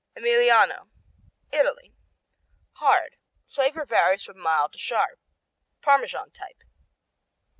Emiliano Italy Hard; flavor varies from mild to sharp. Parmesan type.